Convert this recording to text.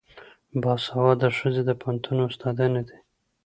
باسواده ښځې د پوهنتون استادانې دي.